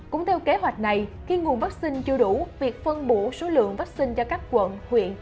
cũng theo kế hoạch này khi nguồn vaccine chưa đủ việc phân bổ số lượng vaccine cho các quận huyện